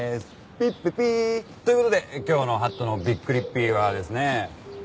ピッピピー！という事で今日のハットのびっくりッピーはですね